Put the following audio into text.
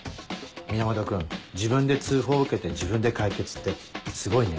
源君自分で通報受けて自分で解決ってすごいね。